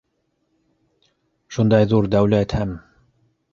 Шундай ҙур дәүләт һәм...